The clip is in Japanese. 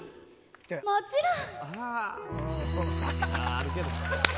もちろん！